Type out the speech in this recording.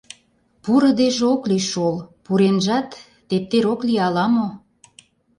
— Пурыдеже ок лий шол, пуренжат, тептер ок лий ала-мо...